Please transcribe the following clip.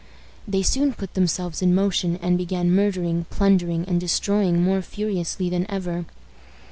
They soon put themselves in motion, and began murdering, plundering, and destroying more furiously than ever.